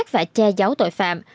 và che giấu tội phạm